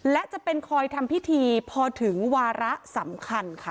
และจะเป็นคอยทำพิธีพอถึงวาระสำคัญค่ะ